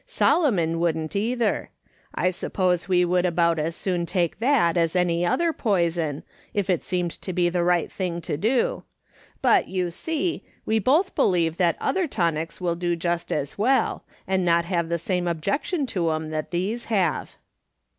Solomon wouldn't either. I sup pose we would about as soon take that as any other poison, if it seemed to be the thing to do ; but, you see, we both believe that other tonics will do just as well, and not have the same objection to 'em that these have."